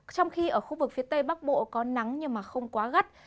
trong khi ở khu vực phía tây bắc bộ có nắng nhưng không quá gắt